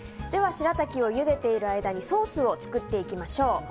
では、しらたきをゆでている間にソースを作っていきましょう。